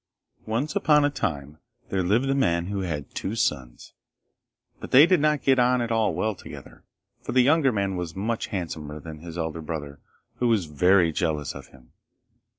Once upon a time there lived a man who had two sons but they did not get on at all well together, for the younger was much handsomer than his elder brother who was very jealous of him.